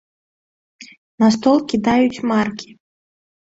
На стол кідаюць маркі.